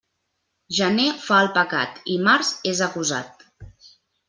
Gener fa el pecat, i març és acusat.